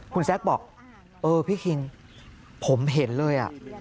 คุณแซคบอกเออพี่คิงผมเห็นเลย